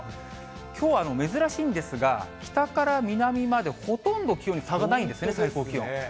きょうは珍しいんですが、北から南までほとんど気温に差がないんですね、最高気温。